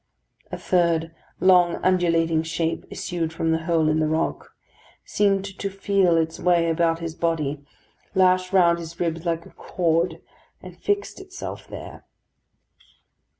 A third long undulating shape issued from the hole in the rock; seemed to feel its way about his body; lashed round his ribs like a cord, and fixed itself there.